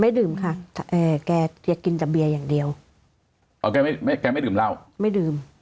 ไม่ดื่มค่ะแกกินจากเบียงอย่างเดียวแกไม่ดื่มเล่าไม่ดื่ม